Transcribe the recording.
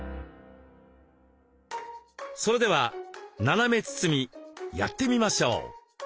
それでは斜め包みやってみましょう。